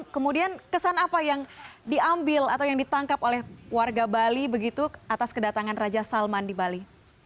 kemudian kesan apa yang diambil atau yang ditangkap oleh warga bali begitu atas kedatangan raja salman di bali